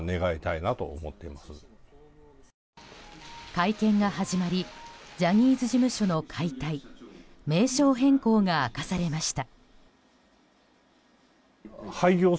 会見が始まりジャニーズ事務所の解体、名称変更が明かされました。